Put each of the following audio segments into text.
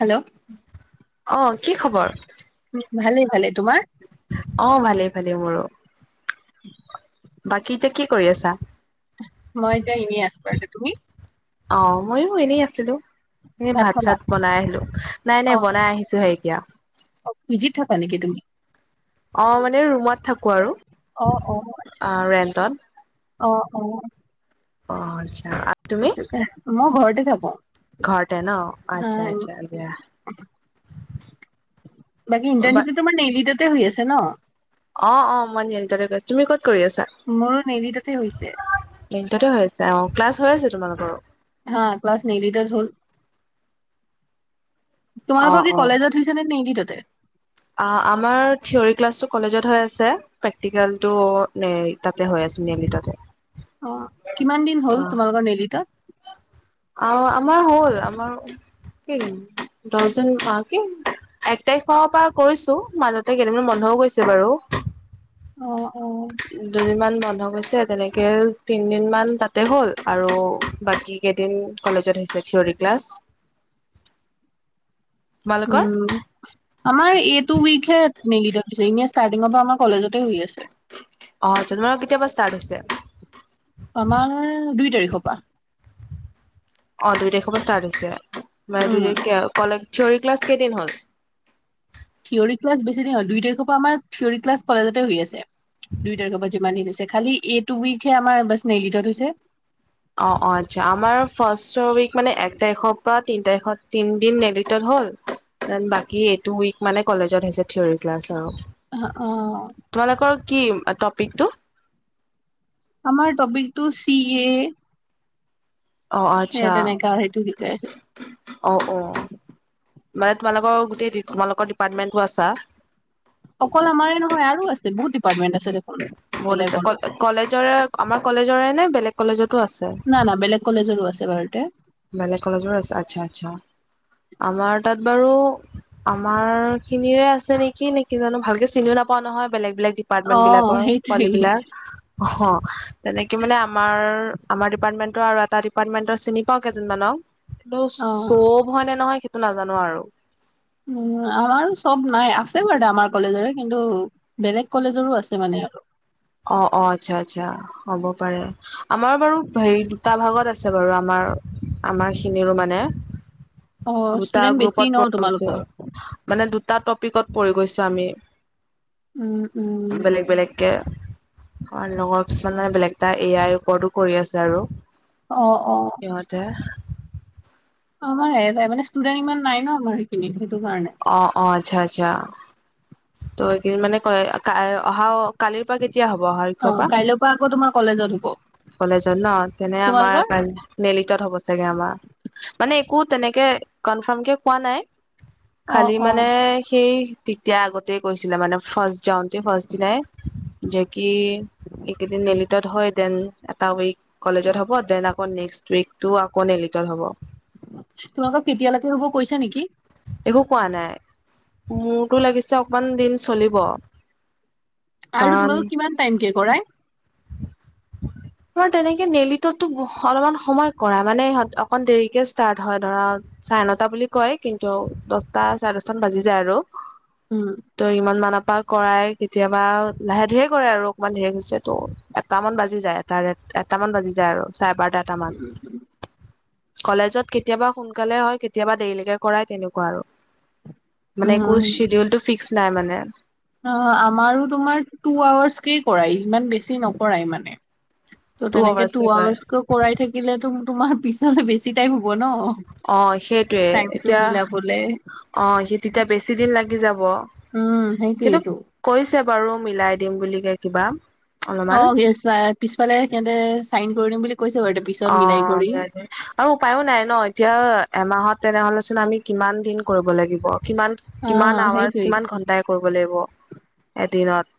Hello অ কি খবৰ ভালেই ভালে তোমাৰ অ ভালেই ভালেই মোৰো [unintelligible] বাকী এতিয়া কি কৰি আছা মই এতিয়া এনে আছো আৰু তুমি অ ময়ো এনেই আছিলো সে ভাত চাত বনাই আহিলো নাই নাই অ বনাই আহিছোহে এতিয়া অ পিজিত থাকা নেকি তুমি অ মানে ৰুমত থাকো আৰু অ অ অ', ৰেন্টত। অ অ অ আচ্ছা সেইটো মই ঘৰতে থাকো ঘৰটে ন হা আচ্ছা আচ্ছা বাকী ইণ্টানশিপটো তোমাৰ [unintelligible] হৈ আছে ন অ অ মই নিন্তলৈ কৈছো তুমি কত কৰি আছা মোৰো নিলিটতে হৈছে দিনটোতে হৈ আছে অ ক্লাছ হৈ আছে তোমালোকৰ হা ক্লাছ নে নিলিটত হ'ল অ', তোমালোকৰ কি অ', কলেজত হৈছে নে নেলিটতে ততে অ আমাৰ থিয়ৰী ক্লাছটো কলেজত হৈ আছে প্ৰেক্টিকেলটো নে তাতে হয় আছে তাতে [unintelligible] অ কিমান দিন হ'ল তোমালোকৰ নেলিতত আহ আমাৰ হ'ল আমাৰ কি [unintelligible] এক তাৰিখৰ পৰা কৰিছো মাজতে কেইদিন মান বন্ধও গৈছে বাৰু অহ অহ দুদিনমান বন্ধ কৰিছে, তেনেকে তিনদিন মান তাতে হ'ল, আৰু বাকী কেইদিন কলেজত হৈছে থিয়ৰী ক্লাছ। তোমালোকৰ উম। আমাৰ এইটো উইকহে [unintelligible] এনে ষ্টাৰ্টিঙৰ পৰা আমাৰ কলেজতে হৈ আছে। অ' জন্মাৰ কেতিয়া পাৰা ষ্টাৰ্ট হৈছে? আমাৰ দুই তাৰিখৰ পা। অ' দুই তাৰিখৰ পৰা ষ্টাৰ্ট হৈছে, মানে দুই উম তাৰিখ কলে থিয়ৰী ক্লাছ কেইদিন হ'ল? থিয়ৰী ক্লাছ বেছি নাই হোৱা দুই তাৰিখৰ পৰা আমাৰ থিয়ৰী ক্লাছ কলেজতে হৈ আছে। দুই তাৰিখৰ পৰা যিমান দিন হৈছে, খালি এইটো উইকহে আমাৰ বাছ নেইলিটত হৈছে। অ' অ' আচ্ছা, আমাৰ ফাষ্টৰ উইক মানে এক তাৰিখৰ পৰা তিনি তাৰিখত তিনিদিন নেলিটত হল। বাকী এইটো উইক মানে কলেজত হৈছে থিয়ৰী ক্লাছ আৰু। অ'। তোমালোকৰ কি, টপিকটো? আমাৰ টপিকটো চি এ অ' এ আচ্ছা, তেনেকা সেইটো শিকাই আছে। অ' অ'। মানে তোমালোকৰ গোটেই তোমালোকৰ ডিপাৰ্টমেণ্টটো আছা। অকল আমাৰে নহয়, আৰু আছে বহুত ডিপাৰ্টমেন্ট আ বহুত আছে, কলেজৰে আমাৰ কলেজৰে নে বেলেগ কলেজতো আছে? না না, বেলেগ কলেজৰো আছে এবাৰতে। বেলেগ কলেজৰ আছে, আচ্ছা আচ্ছা, আমাৰ তাত বাৰু আমাৰ খিনিৰে আছে নেকি নেকি জানো, ভালকে চিনিও নাপাও নহয়, বেলেগ বেলেগ অ', এপাৰ্টমেন্টবিলাকৰ পোৱালী সেইটোৱেই বিলাক অ' তেনেকে মানে, আমাৰ আমাৰ ডিপাৰ্টমেন্টৰ আৰু এটা ডিপাৰ্টমেন্টৰ চিনি পাওঁ কেইজনিমানক, কিন্তু অ'। চব হয় নে নহয়, সেইটো নাজানো আৰু। উম, আমাৰ চব নাই, আছে বাৰু দে আমাৰ কলেজৰে, কিন্তু বেলেগ কলেজৰো আছে মানে। অ' অ', আচ্ছা আচ্ছা, হ'ব পাৰে। আমাৰ বাৰু হেৰি দুটা ভাগত আছে বাৰু। আমাৰ আমাৰ খিনিৰো মানে অ', দুটা ষ্টুডেন্ট বেছি গ্ৰুপত ন পৰিছোঁ। তোমালোকৰ মানে দুটা টপিকত পৰি গৈছো আমি। উম, উম। বেলেগ-বেলেগকে অ' লগৰ কিছুমান মানে বেলেগ এটা এ আইৰ ওপৰতো কৰি আছে আৰু। অহ, অহ। সিহঁতে আমাৰ এটাই মানে, ষ্টুডেন্ট ইমান নাই ন আমাৰ সেইখিনিত, সেইটো কাৰণে। অ' অ' আচ্ছা আচ্ছা। তো এই কেইদিন মানে কয়, অহা কালিৰ পৰা কেতিয়া হব? অহা অ কৰপা? কাইলৈৰ পৰা আকৌ তোমাৰ কলেজত হ'ব কলেজত ন তেনে আমাৰ তোমালোকৰ কাই নেলিটত হ'ব চাগে আমাৰ, মানে একো তেনেকে কনফাৰ্মকে কোৱা নাই। অ খালি অ মানে সেই তেতিয়া আগতে কৈছিলে মানে ফাষ্ট যাওঁতে, ফাৰ্ষ্ট দিনাই। যে কি এইকেইদিন নেলিটত হয়, দেন এটা উইক কলেজত হ'ব। দেন আকৌ নেক্সট উইকটো আকৌ নেলিটত হ'ব। তোমালোকক কেতিয়ালৈকে হ'ব কৈছে নেকি? একো কোৱা নাই মোৰতো লাগিছে অকমান দিন চলিব- আৰু কাৰণ তোমালোকক কিমান টাইম কে কৰাই। তাৰ তেনেকে নেলিততো অলপমান সময় কৰা মানেহত অকন দেৰিকে ষ্টাৰ্ট হয় ধৰা। চাৰে নটা বুলি কয়। কিন্তু দশটা চাৰে দচ মান বাজি যায়। আৰু উম ত ইমান মানৰ পৰা কৰাই কেতিয়াবা লাহে ধীেৰে কৰে আৰু অকমান ধেৰে গৈছ। ত এটামান বাজি যায় এটাৰ এটামান বাজি যায় আৰু চাৰে বাৰটা এটামান কলেজত কেতিয়াবা সোনকালে হয়। কেতিয়াবা দেৰিলৈকে কৰায় তেনেকুৱা আৰু মানে একো উম চিডিউল টো ফিক্স নাই মানে। অ আমাৰো তোমাৰ টু আৱাৰ্চকেই কৰাই ইমান বেছি নকৰাই মানে। তো' তেনেকে টু আৱাৰ্চে কৰে আৱাৰ্চকে কৰাই থাকিলেতো তোমাৰ পিছলে বেছি টাইম হব ন। অ সেইটোৱে টাইমটো এতিয়া মিলাবলে অহ তেতিয়া বেছি দিন লাগি যাব। উম কিন্তু সেইটোৱেতো- কৈছে বাৰু মিলাই দিম বুলি কে কিবা। অ অলপমান পিছফালে সিহতে চাইন কৰি দিম বুলি কৈছে। বাৰু পিছত মিলাই অহ কৰি দিয়া দে আৰু উপায়ো নাই ন এতিয়া এমাহত তেনেহলেচোন আমি কিমান দিন কৰিব লাগিব কিমান- অ কিমান আৱাৰ্চ সেইটোৱেই কিমান ঘন্টাই কৰিব লাগিব এদিনত।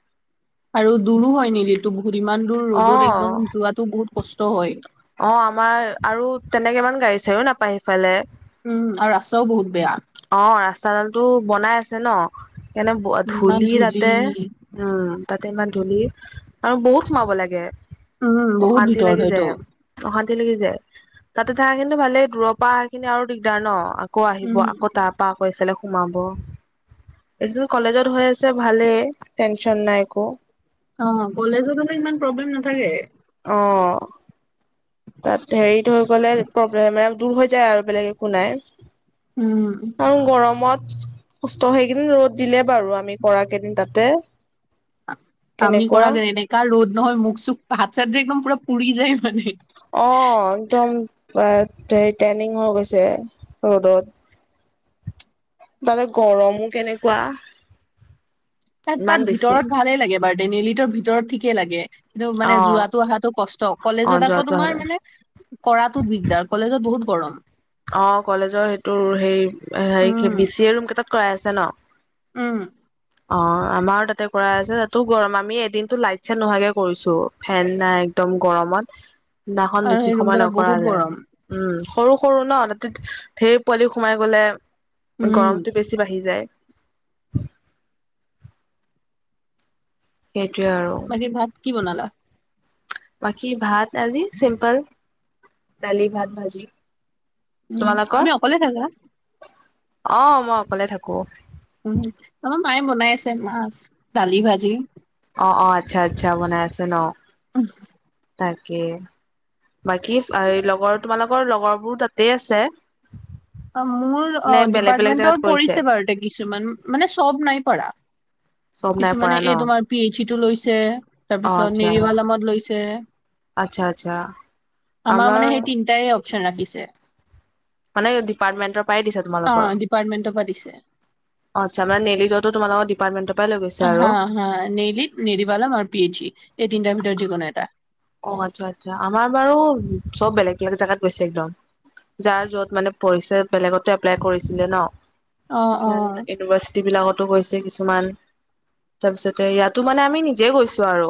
আৰু দূৰো হয়। নিলিটো বহুত ইমান দূৰ অ ৰ'দত একদম যোৱাতটো বহুত কষ্ট হয়। অ আমাৰ আৰু তেনেকে ইমান গাড়ী চাডাৰীও নাপায় সিফালে- উম আৰু ৰাস্তাও বহুত বেয়া। অ ৰাস্তাডালটো বনাই আছে। ন সেইকাৰণে ধূলি তাতে- উম তাতে ইমান ধূলি আৰু বহুত সোমাব লাগে। উম বহুত অশান্তি ভিতৰত লাগি হয়তো। যায়। আৰু অশান্তি লাগি যায় তাতে থা কিন্তু ভালেই দূৰৰ পৰা আহা খিনি আৰু দিগদাৰ ন আকৌ আহিব। উম তাৰাপা‌ আকৌ এইফালে সোমাব। এই কলেজত হৈ আছে ভালেই টেনচন নাই একো। অ কলেজতো ইমান প্ৰব্লেম নাথাকে। অ তাত হেৰি থৈ গলে প্ৰব্লেম দূৰ হৈ যায়। আৰু বেলেগ একো নাই উম আৰু গৰমত কষ্ট সেইকেইদিন ৰ'দ দিলে বাৰু আমি কৰা কেইদিন তাতে- আমি কেনেকুৱা কৰা এনেকা ৰ'দ নহয় মুখ চুখ হাত চাত যে একদম পুৰা পুৰি যায় মানে। অ একদম হেৰি ট্ৰেইনিং হৈ গৈছে ৰ'দত- তাতে গৰমো কেনেকুৱা। তাত ইমান তাত বেছি ভিতৰত ভালেই লাগে বাৰ ডনেলিটোৰ ভিতৰত ঠিকেই লাগে। কিন্তু মানে অ যোৱাতটো অহাতটো কষ্ট অ কলেজত আকৌ যোৱাটো তোমাৰ হয় মানে। কৰাতোত দিগদাৰ কলেজত বহুত গৰম। অ কলেজৰ সেইটো হে হ উম বি চি এ ৰুম কেইটাত কৰাই আছে ন। উম অ আমাৰো তাতে কৰা আছে তাতো গৰম আমি এদিনতো লাইট চাইট নোহোৱাকে কৰিছো। ফেন নাই একদম গৰমত দিদিনাখন আৰু বেছি সেই ৰুম সময় কেইটা বহুত নকৰালে। গৰম উম সৰু সৰু ন তাতি ঢেৰ পোৱালি সোমাই গলে উম। গৰমতটো বেছি বাঢ়ি যায়। সেইটোৱে আৰু- বাকী, ভাত কি বনালা? বাকী, ভাত আজি চিম্পল। ডালি-ভাত-ভাজি। উম, তুমি অকলে থাকা? অ', মই অকলে থাকো। উম, আমাৰ মায়ে বনাই আছে মাছ, দালি, ভাজি। অ', অ', আচ্ছা, আচ্ছা বনাই আছে ন। [inaudible] তাকে, বাকী হেই লগৰ তোমালোকৰ লগৰ বোৰো তাত তে আছে। অ', মোৰ নে অ', বেলেগ বেলেগ জেগাত ডিপাৰ্টমেন্টৰ কৰিছে পৰিছে বাৰুতে কিছুমান, মানে চব নাই পৰা। চব নাই কিছুমানে পৰা ন এই তোমাৰ পি এইচিটো লৈছে। অ তাৰপিছত, আচ্ছা নেৰিৱালামত লৈছে। আচ্ছা আচ্ছা আমাৰ মানে সেই তিন টায়ে অপশ্যন ৰাখিছে। মানে ডিপাৰ্টমেন্টৰ পৰাই দিছে তোমালোকৰ। অ', ডিপাৰ্টমেন্টৰ পৰা দিছে। আচ্ছা, মানে নেৰিৱালমত তোমালোকৰ ডিপাৰ্টমেটৰ পৰা লৈ গৈছে আৰু। হয়, নেলিত নেৰীৱালম আৰু পি এছ ই এই তিনিটাৰ ভিতৰত যিকোনো এটা। অ', আচ্ছা, আচ্ছা আমাৰ বাৰু চব বেলেগ, বেলেগ জেগাত গৈছে একদম। যাৰ যত মানে পঢ়িছে বেলেগতো এপ্লাই কৰিছিলে ন, অ', কিছুমান অ', ইউনিভাৰ্চ টি বিলাকতো গৈছে কিছুমান, তাৰপিছতে ইয়াতো মানে আমি নিজে গৈছো আৰু।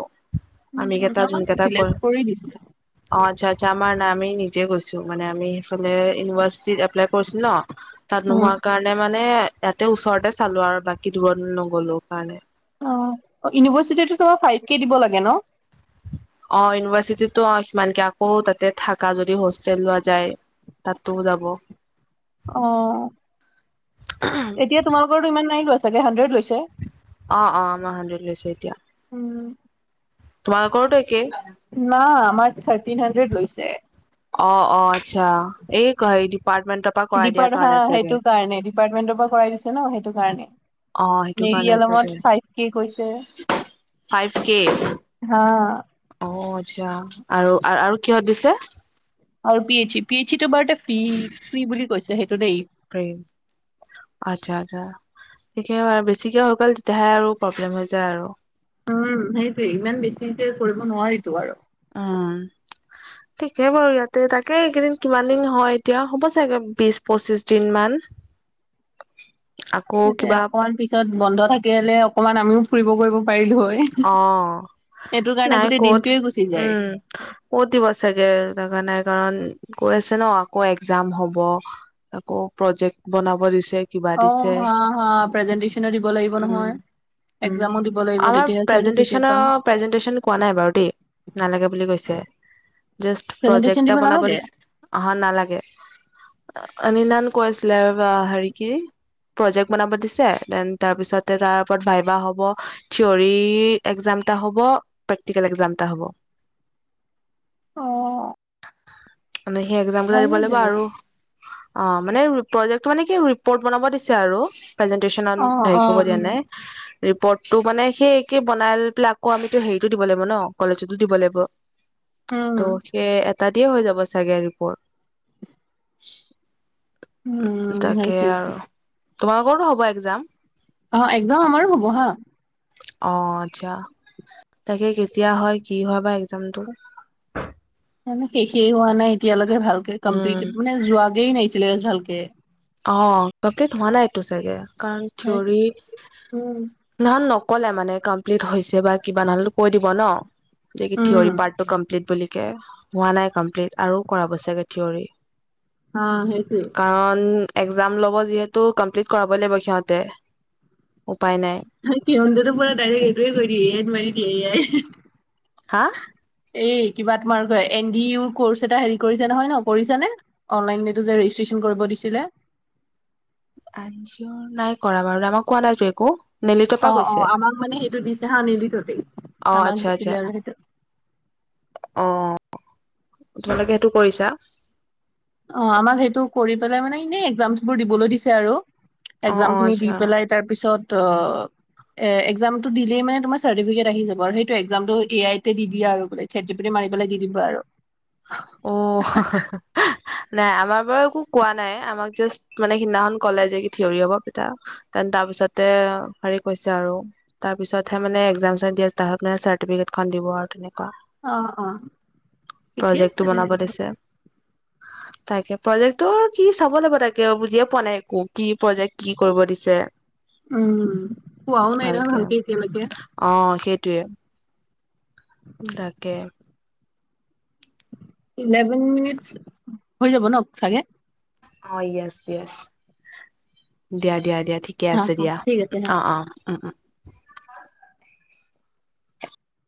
আমি কেইটা যোন ছবক কেইটা কৰ চিলেক্ট কৰি দিছে। অ', আচ্ছা, আচ্ছা আমাৰ নাই, আমি নিজে গৈছো মানে আমি ইফালে ইউভাৰ্চিটিত এপ্লাই কৰিছোঁ ন। তাত নোহোৱা অ', কাৰণে মানে, ইয়াতে ওচৰতে চালো আৰু বাকী দূৰত নগ'লো কাৰণে। অ', ইউনিভাৰ্চিটিটো তোমাৰ ফাইভ কে দিব লাগে ন। অ', ইউনিভাৰ্চিটিতো অ', সিমানকে, আকৌ তাতে থাকা যদি হোষ্টেল লোৱা যায়। তাতো যাব। অ', এতিয়া তোমালোকৰোটো ইমান নাই লোৱা ছাগে হাণ্ড্ৰেড লৈছে। অ', অ', আমাৰ হান্দ্ৰেদ লৈছে এতিয়া। উম। তোমালোকৰতো একেই। না আমাৰ থাৰ্টিন হান্দ্ৰেদ লৈছে। অ', অ', আচ্ছা, এই কেই ডিপাৰ্টমেণ্ট ডিপাৰট হা সেইটো কাৰণে, ডিপাৰ্টমেন্টৰ পৰা কৰাই দিছে ন সেইটো কাৰণে। অ সেইটো কাৰণে চাগে নেৰীৱালমত ফাইভ কে কৈছে। ফাইভ কে। হা। অ', আচ্ছা, আৰু, আৰু কিহত দিছে। আৰু P H E, P H ইটো বাৰুতে ফি ফ্ৰী বুলি কৈছে সেইটো দেই। ফ্ৰি। আচ্ছা, আচ্ছা একেবাৰে বেছিকৈ হৈ গ'ল তেতিয়াহে আৰু প্ৰব্লেম হৈ যায় আৰু। উম, সেইটোৱে ইমান বেছিকে কৰিব নোৱাৰিতো আৰু। উম। ঠিকে বাৰু ইয়াতে, তাকে এইকেইদিন কিমান দিন হয় এতিয়া হ'ব চাগে বিছ পঁচিছ দিন মান। আকৌ কিবা অকমান পিছত বন্ধ থাকিলে অকমান আমিও ফুৰিব কৰিব পাৰিলো হয়। অ, সেইটো কাৰণে নাই গোটেই কত, দিনটোয়ে গুচি যায় উম। কত দিব চাগে জেগা নাই কাৰণ কৈ আছে ন, আকৌ এক্জাম হ'ব। আকৌ প্ৰজেক্ট বনাব দিছে। কিবা অ দিছে হা হা প্ৰেজেন্টেচন দিব লাগিব উম নহয়। উম। এক্সামো দিব লাগিব আমাৰ তেতিয়াহে চাৰ্টিফিকেট প্ৰেজেন্টেচন পাম প্ৰেজেন্টেচন কোৱা নাই বাৰু দেই। নালাগে বুলি কৈছে। জাষ্ট প্ৰেজেন্টেচন প্ৰজেক্ট এটা দিব বনাব নালাগে দিছে। অহ নালাগে। অনিন্দান কৈ আছিলে ৰবা, হেৰি কি? প্ৰজেক্ বনাব দিছে, দেন তাৰ পিছতে তাৰ ওপৰত ভাইবা হ'ব, থিয়ৰি এক্জাম এটা হব, প্ৰেক্টিকেল এক্জাম এটা হব। অ। মানে সেই এক্জাম কেইটা দিব ভালেই লাগিব তেনেকে আৰু। অ মানে প্ৰজেক্ট মানে কি ৰিপৰ্ট বনাব দিছে আৰু। প্ৰেজেণ্টটেচনন অ' হেৰি কৰিব অ' দিয়া উম নাই। ৰিপৰ্টটো মানে সেই বনাই পেলাই আকৌ আমিটো হেৰিতো দিব লাগিব ন, কলেজতো দিব লাগিব, উম ত'। এটা দিয়ে হৈ যাব চাগে ৰিপৰ্ট। উম তাকে সেইটোৱে আৰু, তোমালোকৰটো হ'ব একজাম। অ একজাম আমাৰো হ'ব হা। অ, আচ্ছা। তাকে কেতিয়া হয়, কি হয় বা এক্জামটো। শেষেই হোৱা নাই এতিয়ালৈকে ভালকে। কমপ্লিট উম মানে যোৱাগেই নাই ছিলে ভালকে। অ, কমপ্লিট হোৱা নাইটো চাগে, কাৰণ উম থিউৰিত নহল নকলে মানে কমপ্লিট হৈছে বা কিবা। নহলেটো কৈ দিব ন? এতিয়া কি উম থিয়ৰী পাৰ্টটো কমপ্লিট বুলিকে হোৱা নাই কমপ্লিট আৰু কৰাব চাগে থিয়ৰী। অ সেইটোৱে। কাৰণ একজম লব যিহেতু, কমপ্লিট কৰাব লাগিব সিহঁতে, উপায় নাই। সিহঁনতেটো পুৰা ডাইৰেক্ট সেইটোৱে কৰি দিয়ে, ৰেট মাৰি দিয়ে, এয়াই। হা? এই কিবা তোমাৰ কয় এন ডি ইউৰ কৰ্চ এটা হেৰি কৰিছে নহয় ন? কৰিছ নে? অনলাইন এইটো যে ৰেজিষ্ট্ৰেশ্যন কৰিব দিছিলে? আনচিয়ৰ, নাই কৰা বাৰু আমাক কোৱা নাইটো একো? নেলিতৰ পৰা অ অ, কৈছে আমাক মানে সেইটো দিছে হা নিলিটোতেই। অ আমাক আচ্ছা দিছিলে আচ্ছা আৰু সেইটো। অ। তোমালোকে সেইটো কৰিছা? অ আমাক সেইটো কৰি পেলাই মানে এনেই এক্জামছ বোৰ দিবলৈ দিছে আৰু অ অ একজাম খিনি দি আচ্ছা পেলাই তাৰপিছত অ এ এক্জাম টো দিলেই মানে তোমাৰটিফিকেট আহি যাব আৰু সেইটো এক্জামটো এ আই টে দি দিয়া আৰু বোলে। চে টোপনী মাৰিবলে দি দিবা আৰু। অ। নাই আমাৰ বাৰু একো কোৱা নাই। আমাক জাষ্ট মানে সিদিনাখন কলে যে কি থিয়ৰি হব পিতা তেন তাৰ পিছতে হেৰি কৈছে আৰু। তাৰ পিছতহে মানে একজাম চাইন দিয়ে। তাহত মানে চাৰ্টিফিকেটখন দিব আৰু তেনেকুৱা। অ অ। ঠিকে। প্ৰজেক্টটো বনাব তেনেহ'লে। দিছে। তাকে প্ৰজেক্টটো কি চাব লাগিব তাকে, বুজিয়ে পোৱা নাই একো কি প্ৰজেক্ট, কি কৰিব দিছে? উম। খোৱাও নাই নহয় ভালকে এতিয়ালৈকে। অঁ সেইটোয়ে। তাকে। ইলেভেন মিনিটচ হৈ যাব ন চাগে? অঁ য়েছ য়েছ, দিয়া দিয়া দিয়া ঠিক- ঠিকে হা, আছে হা, দিয়া, ঠিক আছে হা। অঁ-অঁ' উম উম।